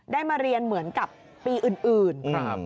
ได้มาเรียนเหมือนกับปีอื่น